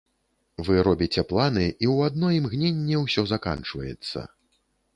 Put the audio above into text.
Вы робіце планы, і ў адно імгненне ўсё заканчваецца.